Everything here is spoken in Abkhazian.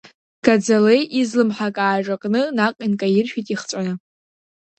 Гаӡалеи излымҳак ааҿакны, наҟ инкаиршәит ихҵәаны.